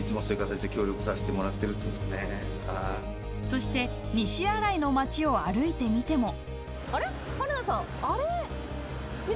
そして西新井の街を歩いてもみても。